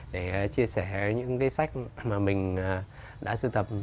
để chia sẻ những sách mà mình đã sưu tầm